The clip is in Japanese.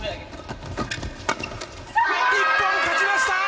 日本、勝ちました！